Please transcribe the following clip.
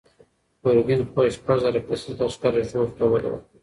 ګورګین خپل شپږ زره کسیز لښکر ژوب ته ولېږه.